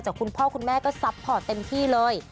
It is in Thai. คุณพ่อคุณแม่ก็ซัพพอร์ตเต็มที่เลย